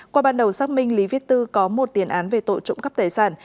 qua ban đầu xác minh lý viết tư có một tiền án về tội trộm cắp tài sản